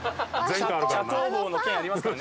茶工房の件ありますからね。